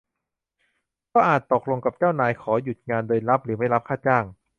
ก็อาจตกลงกับนายจ้างขอหยุดงานโดยรับหรือไม่รับค่าจ้าง